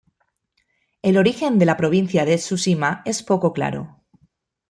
El origen de la provincia de Tsushima es poco claro.